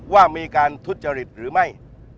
ว่ามีการทุจริตหรือไม่